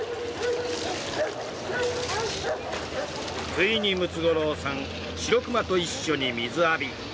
ついに、ムツゴロウさんシロクマと一緒に水浴び。